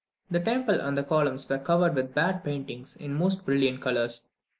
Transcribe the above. The temple and the columns were covered with bad paintings in the most brilliant colours.